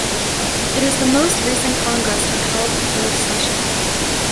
It is the most recent Congress to have held a third session.